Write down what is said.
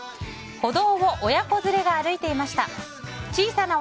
歩道を親子連れが歩いていました。